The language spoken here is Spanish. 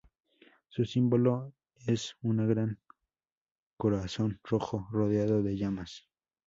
Su símbolo es un gran corazón rojo rodeado de llamas.